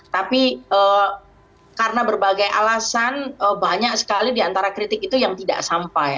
tapi karena berbagai alasan banyak sekali diantara kritik itu yang tidak sampai